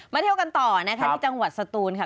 มาเที่ยวกันต่อในจังหวัดสตูนค่ะ